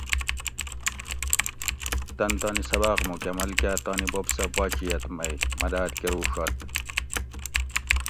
تن تانی سباۤق مکمل کاۤ تانی بوب سہ باچیئت مئ مداد کۤروُڛت